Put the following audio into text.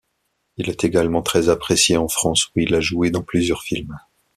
Il est également très apprécié en France, où il a joué dans plusieurs films.